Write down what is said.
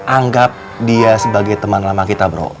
anggap dia sebagai teman lama kita bro